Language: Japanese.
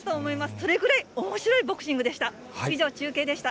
それぐらいおもしろいボクシングでした。